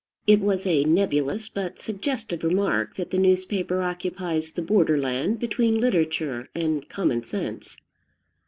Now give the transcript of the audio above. It was a nebulous but suggestive remark that the newspaper occupies the borderland between literature and common sense.